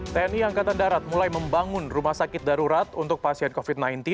tni angkatan darat mulai membangun rumah sakit darurat untuk pasien covid sembilan belas